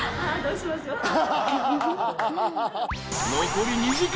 ［残り２時間。